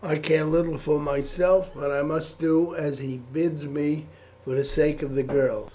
I care little for myself, but I must do as he bids me for the sake of the girl.